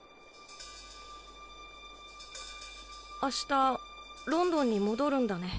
明日ロンドンに戻るんだね。